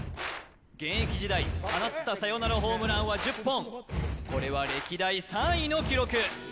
現役時代放ったサヨナラホームランは１０本これは歴代３位の記録